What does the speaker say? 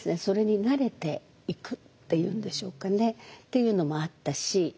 それに慣れていくっていうんでしょうかねっていうのもあったし。